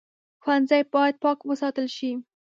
ښوونځی باید پاک وساتل شي